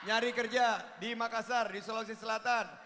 nyari kerja di makassar di sulawesi selatan